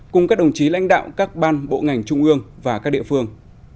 cùng các đồng chí lãnh đạo các ban bộ ngành trung ương và các địa phương